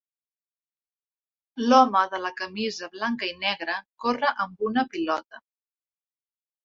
L'home de la camisa blanca i negre corre amb una pilota.